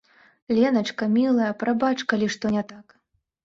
Леначка, мілая, прабач, калі што не так.